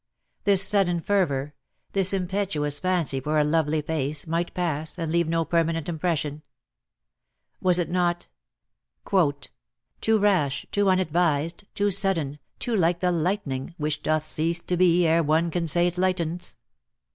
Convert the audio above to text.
This sudden fervour, this impetuous fancy for a lovely face, might pass and leave no permanent impression. Was it not "too rash, too unadvised, too sudden, Too like the lightning, which doth cease to be Ere one can say it lightens?"